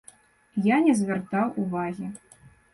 Я не звяртаў увагі.